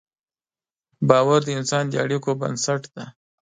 باور د انسان د اړیکو بنسټ دی.